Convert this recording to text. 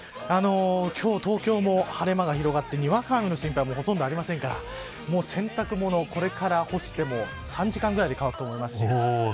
今日、東京も晴れ間が広がってにわか雨の心配もほとんどありませんから洗濯物をこれから干しても３時間ぐらいで乾くと思います。